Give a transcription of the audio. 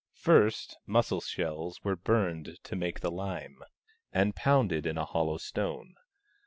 First, mussel shells were burned to make the lime, and pounded in a hollow stone.